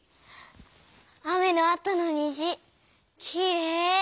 雨のあとのにじきれい。